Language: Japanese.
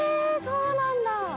そうなんだ。